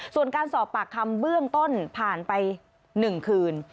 ส่วนการสอบปากคำเบื้องต้นผ่านไป๑คืน